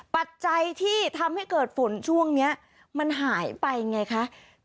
ปัจจัยที่ทำให้เกิดฝนช่วงนี้มันหายไปไงคะ